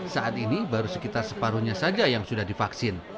saat ini baru sekitar separuhnya saja yang sudah divaksin